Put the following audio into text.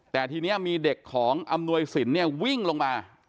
แต่ทีนี้มีเด็กของอำนวยสินเนี่ยวิ่งลงมา